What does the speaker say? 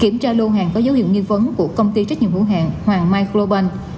kiểm tra lô hàng có dấu hiệu nghi vấn của công ty trách nhiệm hữu hàng hoàng mike globan